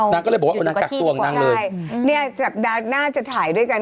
นางก็เลยบอกว่าเออนางกักตัวของนางเลยใช่เนี่ยสัปดาห์หน้าจะถ่ายด้วยกัน